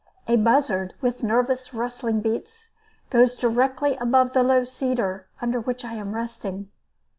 A buzzard, with nervous, rustling beats, goes directly above the low cedar under which I am resting.